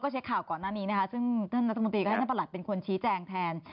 เช็คข่าวก่อนหน้านี้นะคะซึ่งท่านรัฐมนตรีก็ให้ท่านประหลัดเป็นคนชี้แจงแทน